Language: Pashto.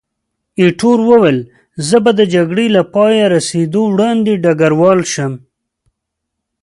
ایټور وویل، زه به د جګړې له پایته رسېدو وړاندې ډګروال شم.